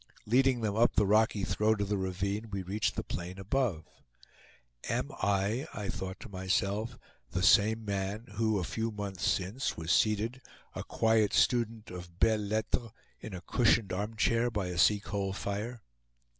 Leading them up the rocky throat of the ravine, we reached the plain above. "Am I," I thought to myself, "the same man who a few months since, was seated, a quiet student of BELLES LETTRES, in a cushioned arm chair by a sea coal fire?"